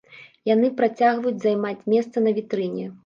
Яны працягваюць займаць месца на вітрыне.